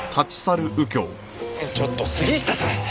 ちょっと杉下さん。